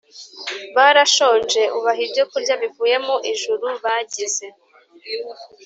Barashonje ubaha ibyokurya bivuye mu ijuru bagize